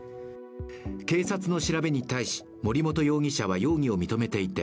警察の調べに対し森本容疑者は容疑を認めていて